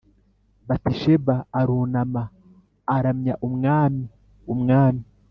batisheba arunama aramya umwami umwami